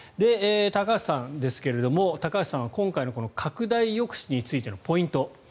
高橋さんですが、高橋さんは今回の拡大抑止についてのポイント